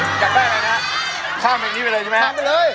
ไซ่ไซ่ในทิวไซค์